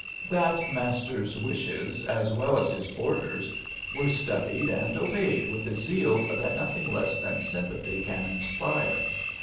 That master's wishes, as well as his orders, were studied and obeyed with a zeal that nothing less than sympathy can inspire.